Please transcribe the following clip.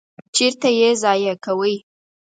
چیرته ییضایع کوی؟